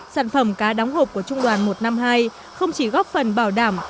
sản phẩm cá đóng hộp của trung đoàn một trăm năm mươi hai không chỉ góp phần bảo đảm